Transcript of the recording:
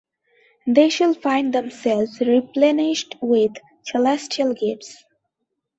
They shall find themselves replenished with celestial gifts.